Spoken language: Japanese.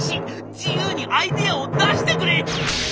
自由にアイデアを出してくれ！」。